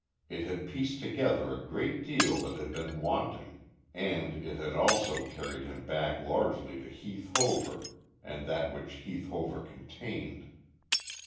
It had pieced together a great deal that had been wanting, and it had also carried him back largely to Heath Hover and that which Heath Hover contained.